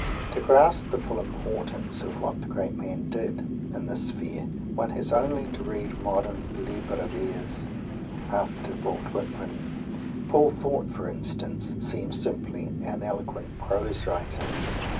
To grasp the full importance of what this great man did in this sphere one has only to read modern "libre vers." After Walt Whitman, Paul Fort, for instance, seems simply an eloquent prose writer.